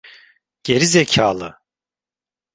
Geri zekalı.